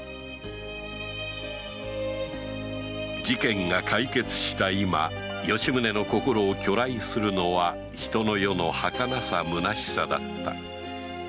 事件が解決した今吉宗の心を去来するのは人の世の儚さ虚しさだった